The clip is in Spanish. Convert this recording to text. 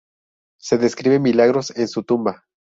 Se describen milagros en su tumba.